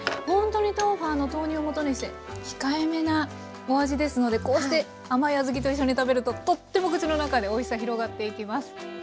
ほんとに豆花の豆乳をもとにして控えめなお味ですのでこうして甘い小豆と一緒に食べるととっても口の中でおいしさ広がっていきます。